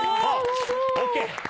ＯＫ。